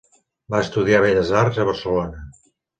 Va estudiar Belles Arts a Barcelona.